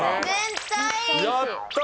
やったー。